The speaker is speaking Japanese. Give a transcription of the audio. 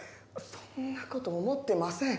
そんなこと思ってません。